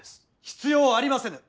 必要ありませぬ。